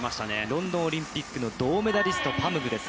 ロンドンオリンピックの銅メダリスト、パムグです。